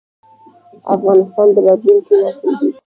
افغانستان د راتلونکي نسل دی